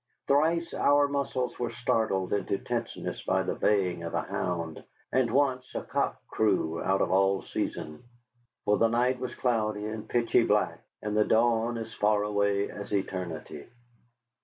Thrice our muscles were startled into tenseness by the baying of a hound, and once a cock crew out of all season. For the night was cloudy and pitchy black, and the dawn as far away as eternity.